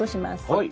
はい。